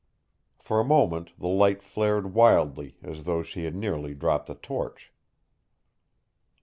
For a moment the light flared wildly as though she had nearly dropped the torch.